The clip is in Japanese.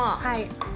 はい。